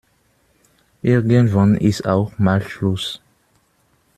Irgendwann ist auch mal Schluss.